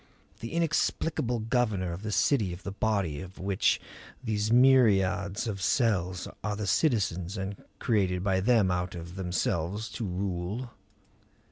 The inexplicable governor of the city of the body of which these myriads of cells are the citizens and created by them out of themselves to rule?